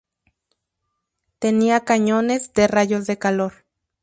Tenía cañones de rayos de calor.